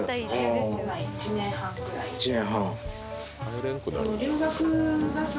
１年半。